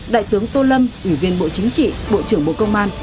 đại tướng tô lâm ủy viên bộ chính trị bộ trưởng bộ công an